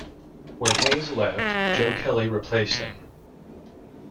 When Hays left, Joe Kelly replaced him.